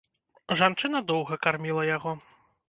Жанчына доўга карміла яго.